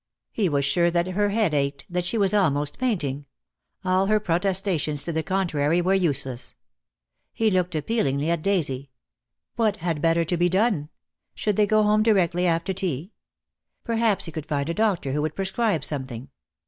He was sure that her head ached, that she was almost fainting. All her pro testations to the contrary were useless. ■ He looked appealingly at Daisy. What had better to be done? Should they go home directly after tea? Perhaps he could find a doctor who would prescribe something.